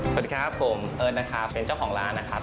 สวัสดีครับผมเอิร์ทนะครับเป็นเจ้าของร้านนะครับ